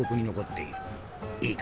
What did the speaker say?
『いいか？